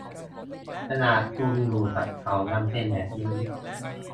ขนาดคุณอยู่กับเขายังเป็นแบบนี้